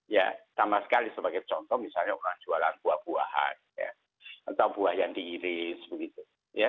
ya sama sekali sebagai contoh misalnya orang jualan buah buahan atau buah yang diiris begitu